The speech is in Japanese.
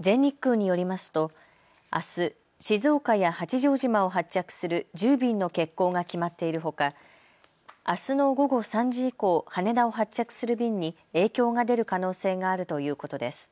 全日空によりますとあす静岡や八丈島を発着する１０便の欠航が決まっているほかあすの午後３時以降、羽田を発着する便に影響が出る可能性があるということです。